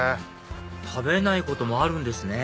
食べないこともあるんですね